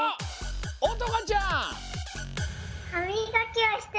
おとかちゃん。